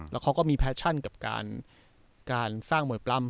แล้วเขาก็มีแฟชั่นกับการสร้างมวยปล้ำ